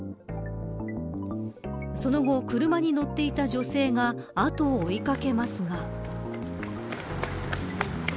その後、車に乗っていた女性が後を追い掛けますが。